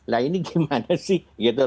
nah ini gimana sih